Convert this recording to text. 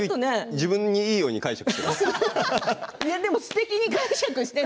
自分にいいように解釈している。